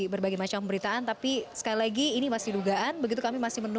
berbagai macam pemberitaan tapi sekali lagi ini masih di luar biasa dan kami sangat terima kasih untuk